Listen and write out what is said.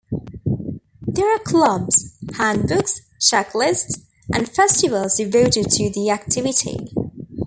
There are clubs, handbooks, checklists, and festivals devoted to the activity.